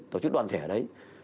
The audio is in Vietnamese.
tổ chức đoàn thể ở đấy